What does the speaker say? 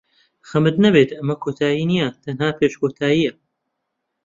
خەمت نەبێت، ئەمە کۆتایی نییە، تەنها پێش کۆتایییە.